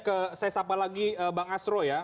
ke sesapa lagi bang asro ya